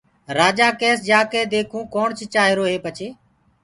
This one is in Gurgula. رآجآ ڪيس جاڪي ديکونٚ ڪوڻ چِچآهيٚروئي پڇي